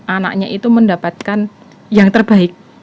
anaknya itu mendapatkan yang terbaik